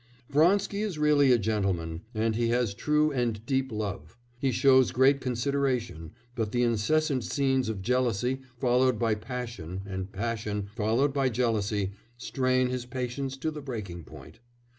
Vronsky is really a gentleman, and he has true and deep love; he shows great consideration, but the incessant scenes of jealousy followed by passion and passion followed by jealousy strain his patience to the breaking point.